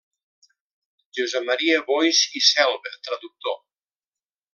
Josep Maria Boix i Selva, traductor.